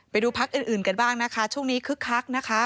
ไปดูพักอื่นกันบ้างนะคะช่วงนี้คึกคักนะคะ